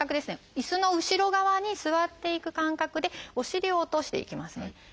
いすの後ろ側に座っていく感覚でお尻を落としていきますね。